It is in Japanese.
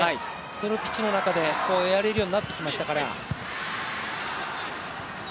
それをピッチの中でやれるようになってきましたから。